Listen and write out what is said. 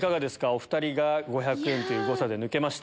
お２人５００円という誤差で抜けました。